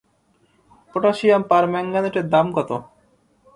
Potassium পারম্যাঙ্গানেটের দাম কত?